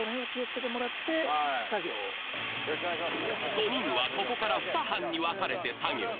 ５人はここから２班に分かれて作業。